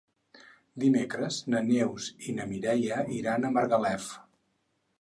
Dimecres na Neus i na Mireia iran a Margalef.